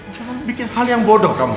jangan bikin hal yang bodoh kamu